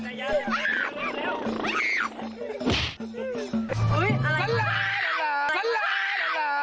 ใจเร็ว